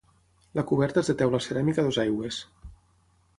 La coberta és de teula ceràmica a dues aigües.